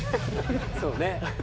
そうね。